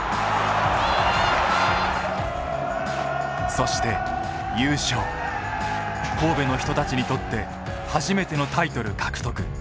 そして神戸の人たちにとって初めてのタイトル獲得。